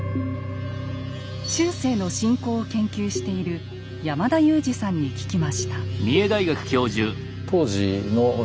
中世の信仰を研究している山田雄司さんに聞きました。